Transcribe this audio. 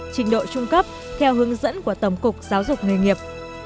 trình độ trung cấp theo hướng dẫn của tổng cục giáo dục nghề nghiệp